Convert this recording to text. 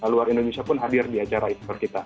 tapi luar indonesia pun hadir di acara istirahat kita